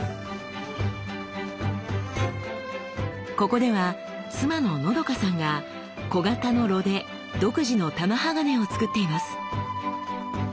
ここでは妻ののどかさんが小型の炉で独自の玉鋼をつくっています。